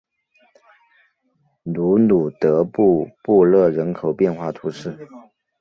卢鲁德布布勒人口变化图示